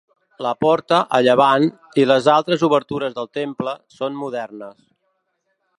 La porta, a llevant, i les altres obertures del temple, són modernes.